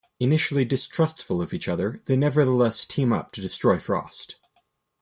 Initially distrustful of each other, they nevertheless team up to destroy Frost.